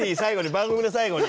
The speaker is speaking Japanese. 番組の最後に。